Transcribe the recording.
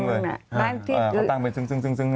เขาตั้งเป็นซึ้ง